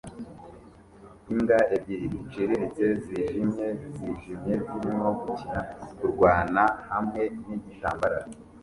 Imbwa ebyiri ziciriritse zijimye zijimye zirimo gukina-kurwana hamwe nigitambara